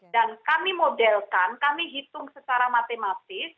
dan kami modelkan kami hitung secara matematis